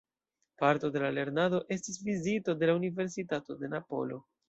Parto de la lernado estis vizito de la Universitato de Napolo.